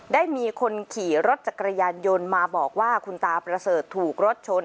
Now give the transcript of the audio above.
ได้มีคนขี่รถจักรยานยนต์มาบอกว่าคุณตาประเสริฐถูกรถชน